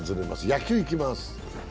野球いきます。